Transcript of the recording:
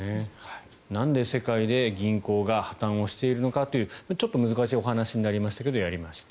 なんで世界で銀行が破たんをしているのかというちょっと難しいお話になりましたがやりました。